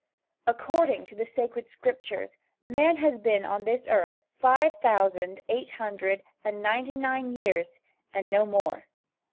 According to the sacred Scriptures man has been on this earth five thousand eight hundred and ninety nine years and no more.